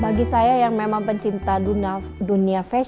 bagi saya yang memang pencinta dunia fashion inilah fashionnya